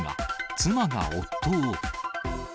妻が夫を。